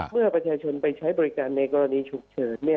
เมื่อประชาชนไปใช้บริการในกรณีฉุกเฉิน